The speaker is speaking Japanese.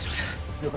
了解